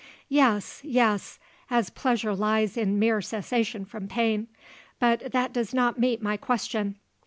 "Yes, yes; as pleasure lies in mere cessation from pain. But that does not meet my question.